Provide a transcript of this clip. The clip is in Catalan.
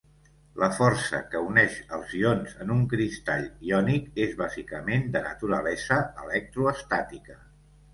La força que uneix els ions en un cristall iònic és bàsicament de naturalesa electroestàtica.